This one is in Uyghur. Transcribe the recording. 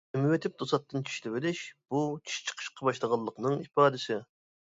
ئېمىۋېتىپ توساتتىن چىشلىۋېلىش: بۇ، چىش چىقىشقا باشلىغانلىقنىڭ ئىپادىسى.